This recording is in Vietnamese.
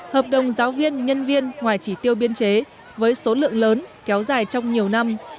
hợp đồng giáo viên nhân viên ngoài chỉ tiêu biên chế với số lượng lớn kéo dài trong nhiều năm